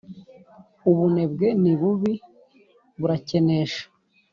Ubunebwe nibubi burakenesha